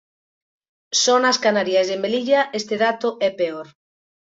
Só nas Canarias e en Melilla este dato é peor.